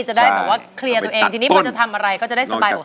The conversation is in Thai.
จะได้แบบว่าเคลียร์ตัวเองทีนี้พอจะทำอะไรก็จะได้สบายอก